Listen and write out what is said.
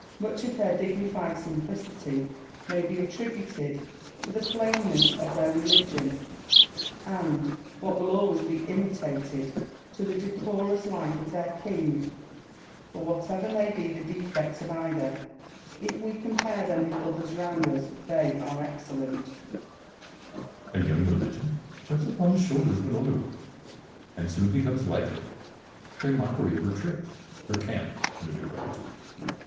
Much of their dignified simplicity may be attributed to the plain ness of their religion, and, what will always be imitated, to the decorous life of their king : for whatever may be the defects of either, if we compare them with others round us, they are excellent, Salomon. A young religion jumps upon the shoulders of an older one, and soon becomes like her, by mockery of her tricks, her cant, and her decrepitude.